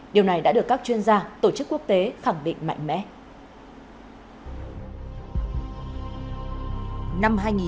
điều này đã được các chuyên gia tổ chức quốc tế khẳng định mạnh mẽ